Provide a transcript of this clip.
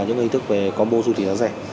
những hình thức về combo du thị giá rẻ